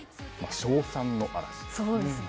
賞賛の嵐ですね。